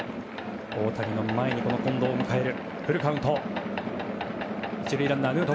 大谷の前に近藤を迎える。